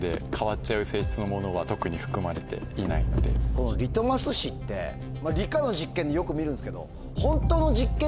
このリトマス紙って理科の実験でよく見るんですけど。